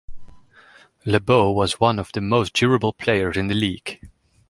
LeBeau was also one of the most durable players in the league.